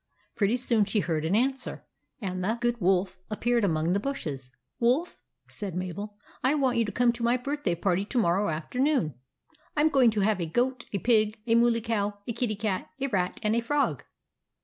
Pretty soon she heard an answer, and the Good Wolf appeared among the bushes. " Wolf," said Mabel, " I want you to come to my birthday party to morrow afternoon. I 'm going to have a Goat, a Pig, a Mooly Cow, a Kitty Cat, a Rat, and a Frog."